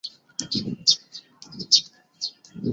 香港现时未有法定标准工时及最高工时规管。